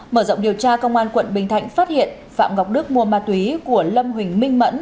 mở rộng điều tra công an tp hcm phát hiện phạm ngọc đức mua ma túy của lâm huỳnh minh mẫn